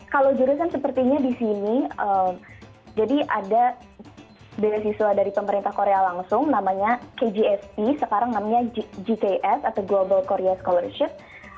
kalau jurusan sepertinya di sini jadi ada beasiswa dari pemerintah korea langsung namanya kgsp sekarang namanya gks atau global korea scholarship